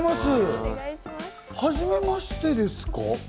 はじめましてですか？